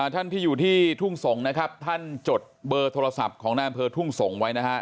ท่านที่อยู่ที่ทุ่งสงศ์นะครับท่านจดเบอร์โทรศัพท์ของนายอำเภอทุ่งสงศ์ไว้นะฮะ